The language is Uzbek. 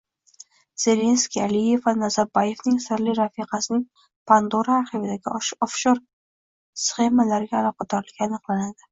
Zelenskiy, Aliyev va Nazarboyevning sirli rafiqasining Pandora arxividagi ofshor sxemalarga aloqadorligi aniqlandi